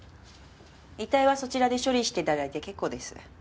遺体はそちらで処理していただいて結構です。